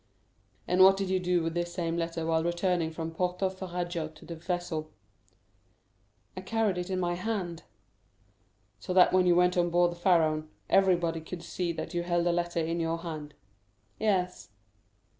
"And what did you do with this same letter while returning from Porto Ferrajo to the vessel?" "I carried it in my hand." "So that when you went on board the Pharaon, everybody could see that you held a letter in your hand?" "Yes."